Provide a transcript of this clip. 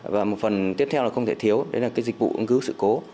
và một phần tiếp theo là không thể thiếu đó là dịch vụ ứng cứu sự cố